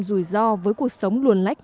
rủi ro với cuộc sống luồn lách